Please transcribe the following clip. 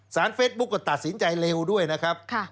เฟสบุ๊คก็ตัดสินใจเร็วด้วยนะครับ